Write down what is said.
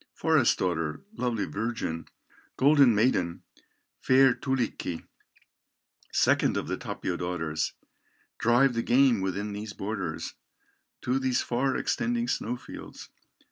"Forest daughter, lovely virgin, Golden maiden, fair Tulikki, Second of the Tapio daughters, Drive the game within these borders, To these far extending snow fields.